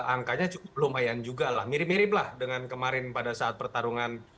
angkanya cukup lumayan juga lah mirip mirip lah dengan kemarin pada saat pertarungan